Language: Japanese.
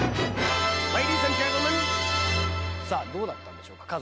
さぁどうだったんでしょうか家族。